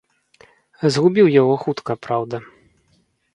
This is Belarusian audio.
Згубіў яго хутка, праўда.